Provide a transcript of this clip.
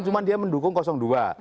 cuma dia mendukung dua